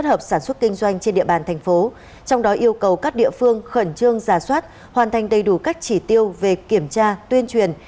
các thủ tục địa phương khẩn trương giả soát hoàn thành đầy đủ cách chỉ tiêu về kiểm tra tuyên truyền